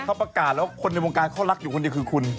เขาประกาศแล้วคนในวงการเขารักอยู่คนเดียวคือคุณ